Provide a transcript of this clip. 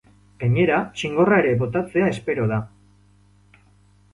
Gainera, txingorra ere botatzea espero da.